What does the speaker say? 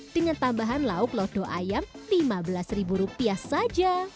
dengan tambahan lauk lodo ayam lima belas rupiah saja